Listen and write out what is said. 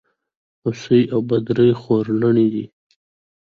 هوسۍ او بدرۍ خورلڼي دي.